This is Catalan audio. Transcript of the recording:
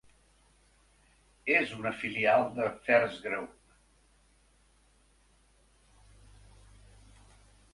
És una filial de FirstGroup.